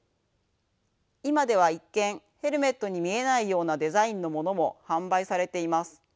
今では一見ヘルメットに見えないようなデザインのものも販売されています。